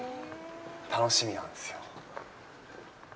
楽しみなんですよ。